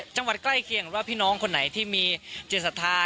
จังหวัดใกล้เคียงหรือว่าพี่น้องคนไหนที่มีเจริตทรา